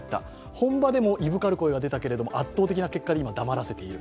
本場でもいぶかる声が出たけれども、圧倒的な結果で今、黙らせている。